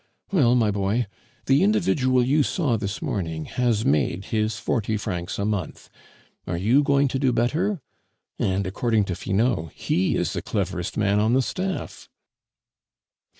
Well, my boy, the individual you saw this morning has made his forty francs a month. Are you going to do better? And, according to Finot, he is the cleverest man on the staff."